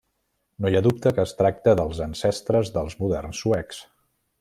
No hi ha dubte que es tracta dels ancestres dels moderns suecs.